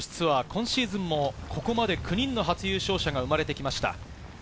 今シーズンもここまで９人の初優勝者が生まれてきました。